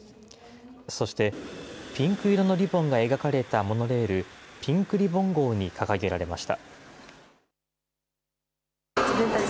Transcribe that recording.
そして、ピンク色のリボンが描かれたモノレール、ピンクリボン号に掲げられました。